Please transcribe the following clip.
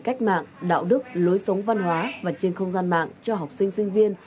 cách mạng đạo đức lối sống văn hóa và trên không gian mạng cho học sinh sinh viên